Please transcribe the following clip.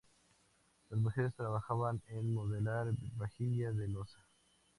Las mujeres trabajaban en moldear vajilla de loza.